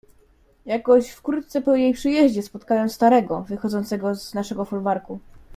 "Jakoś wkrótce po jej przyjeździe, spotkałem starego, wychodzącego z naszego folwarku."